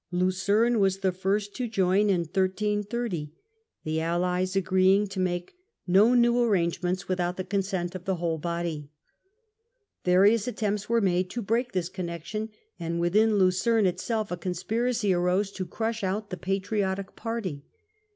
Lucerne was the first to join in 1330, the allies agreeing to make no new KISE OF THE SWISS REPUBLIC 105 arrangements, without the consent of the whole body. Various attempts were made to break this connection, and within Lucerne itself a conspiracy arose to crush out the patriotic party.